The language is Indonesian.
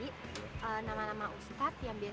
iya deh khawatir banget